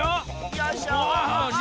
よいしょ！